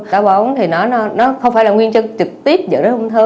táo bón thì nó không phải là nguyên chân trực tiếp dẫn đến ung thư